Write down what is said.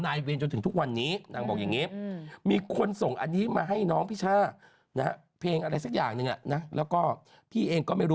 นางก็ว่าอย่างนั้นก็มีคนไปบุกบ้านนางไง